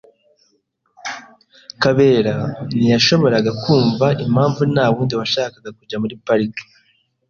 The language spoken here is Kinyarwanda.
Kabera ntiyashoboraga kumva impamvu ntawundi washakaga kujya muri pariki.